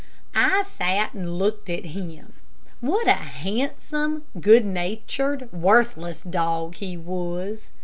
I sat and looked at him. What a handsome, good natured, worthless dog he was.